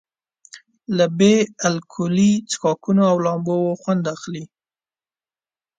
له بې الکولي څښاکونو او لمباوو خوند اخلي.